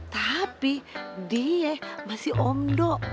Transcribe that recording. tapi dia masih omdo